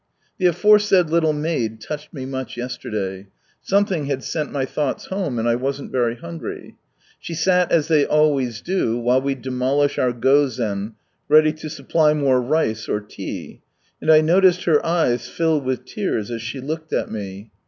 The aforesaid tittle maid touched me much yesterday. Something had sent my thoughts home, and I wasn't very hungry. She sat as they always do, while we demolish our " gozen," ready to supply more rice or tea ; and I noticed her eyes fill with tears as she looked at me.